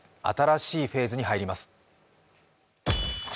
新しいフェーズに入ります。